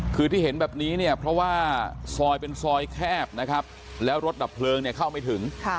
คือที่เห็นแบบนี้เนี่ยเพราะว่าซอยเป็นซอยแคบนะครับแล้วรถดับเพลิงเนี่ยเข้าไม่ถึง